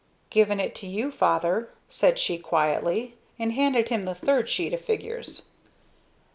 "Given it to you, Father," said she quietly, and handed him the third sheet of figures.